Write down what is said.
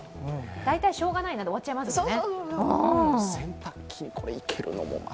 大体、しようがないなで終わっちゃいますもんね。